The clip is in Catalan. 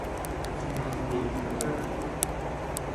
A quin partit polític pertany?